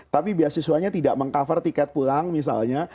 tapi beasiswanya tidak meng cover tiket pulang misalnya